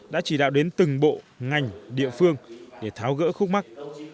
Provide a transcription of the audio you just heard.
đã chỉ đạo đến từng bộ ngành địa phương để tháo gỡ khúc mắt